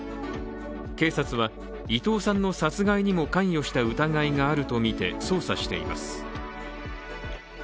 警察は、伊藤さんの殺害にも関与した疑いがあるとみて、捜査しています。